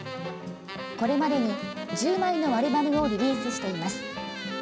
これまでに、１０枚のアルバムをリリースしています。